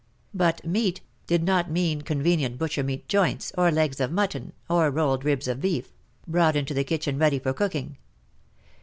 But *'meat" did not mean convenient butcher meat joints — or legs of mutton, or rolled ribs of beef — brought into the kitchen ready for cook ing.